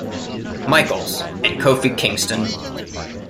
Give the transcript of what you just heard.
Michaels, and Kofi Kingston.